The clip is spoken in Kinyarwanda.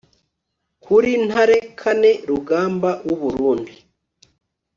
kuri ntare iv rugamba w'u burundi